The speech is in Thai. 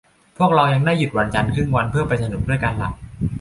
พวกเรายังได้หยุดวันจันทร์ครึ่งวันเพื่อไปสนุกกันด้วยล่ะ